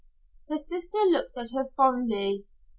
Her sister looked at her fondly.